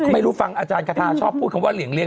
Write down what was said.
ไม่รู้ฟังอาจารย์คาทาชอบพูดคำว่าเหลี่ย